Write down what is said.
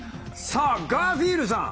さあガーフィールさん。